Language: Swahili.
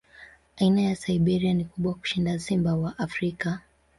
Aina ya Siberia ni kubwa kushinda simba wa Afrika.